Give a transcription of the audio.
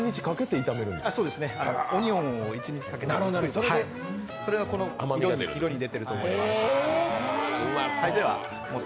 オニオンを一日かけて炒めてそれがこの色に出ていると思います。